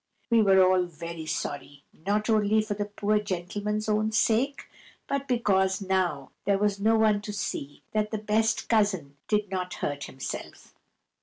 We were all very sorry, not only for the poor gentleman's own sake, but because now there was no one to see that the best cousin did not hurt himself.